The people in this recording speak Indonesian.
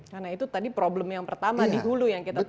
karena itu tadi problem yang pertama di hulu yang kita temui ya